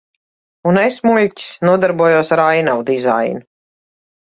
Un es, muļķis, nodarbojos ar ainavu dizainu.